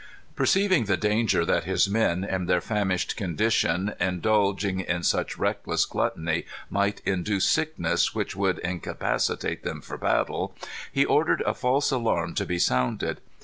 Perceiving the danger that his men, in their famished condition, indulging in such reckless gluttony might induce sickness which would incapacitate them for battle, he ordered a false alarm to be sounded.